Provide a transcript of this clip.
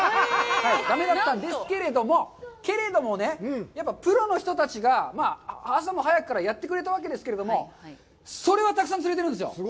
だめだったんですけれども、けれどもね、やっぱりプロの人たちが朝も早くからやってくれたわけですけれども、それはたくさん釣れてるんですよ。